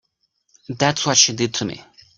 That's what she did to me.